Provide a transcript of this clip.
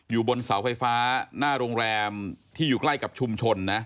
อยู่บนเสาไฟฟ้าหน้าโรงแรมที่อยู่ใกล้กับชุมชนนะ